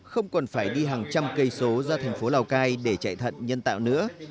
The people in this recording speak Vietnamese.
không còn phải đi hàng trăm cây số ra thành phố lào cai để chạy thận nhân tạo nữa